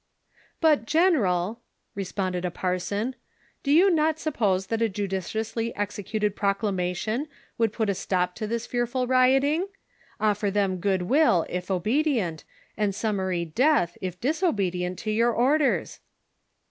"But, general," responded a parson, "do you not sup pose that a judiciously executed proclamation would put a stop to this fearful rioting V Offer them good will, if obedient, and summary death, if disobedient to your orders."